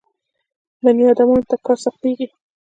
بني ادمانو ته کار سختېږي.